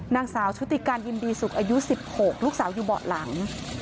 นางสาวชุติการยินดีสุขอายุ๑๖ลูกสาวอยู่เบาะหลัง